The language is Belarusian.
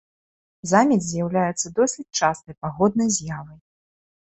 Замець з'яўляецца досыць частай пагоднай з'явай.